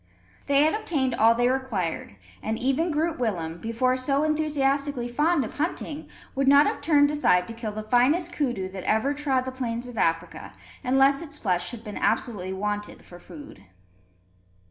They had obtained all they required; and even Groot Willem, before so enthusiastically fond of hunting, would not have turned aside to kill the finest koodoo that ever trod the plains of Africa, unless its flesh had been absolutely wanted for food.